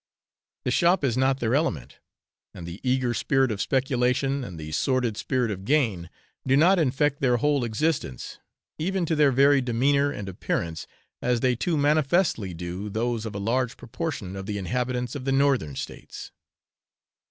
The shop is not their element; and the eager spirit of speculation and the sordid spirit of gain do not infect their whole existence, even to their very demeanour and appearance, as they too manifestly do those of a large proportion of the inhabitants of the Northern States.